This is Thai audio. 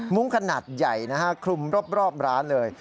ขนาดใหญ่นะฮะคลุมรอบร้านเลย